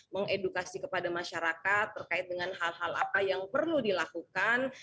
mengedukasi kepada masyarakat terkait dengan hal hal apa yang perlu dilakukan